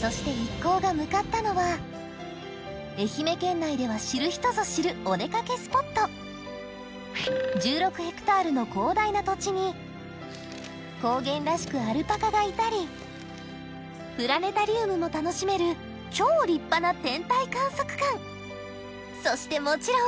そして一行が向かったのは愛媛県内では知る人ぞ知るお出かけスポット１６ヘクタールの広大な土地に高原らしくアルパカがいたりプラネタリウムも楽しめる超立派な天体観測館そしてもちろん！